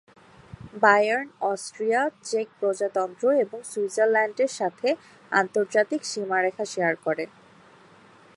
Bayern Austria, চেক প্রজাতন্ত্র এবং সুইজারল্যান্ডের সাথে আন্তর্জাতিক সীমারেখা শেয়ার করে।